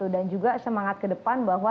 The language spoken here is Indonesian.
dan juga semangat ke depan bahwa